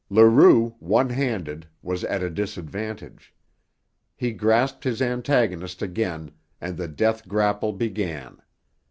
Leroux, one handed, was at a disadvantage. He grasped his antagonist again, and the death grapple began.